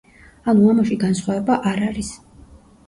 ანუ ამაში განსხვავება არ არის.